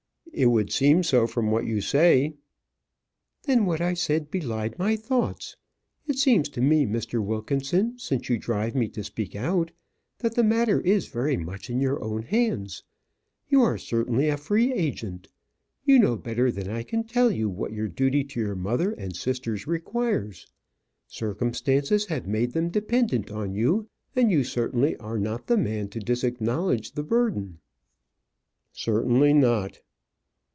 "It would seem so from what you say." "Then what I said belied my thoughts. It seems to me, Mr. Wilkinson, since you drive me to speak out, that the matter is very much in your own hands. You are certainly a free agent. You know better than I can tell you what your duty to your mother and sisters requires. Circumstances have made them dependent on you, and you certainly are not the man to disacknowledge the burden." "Certainly not."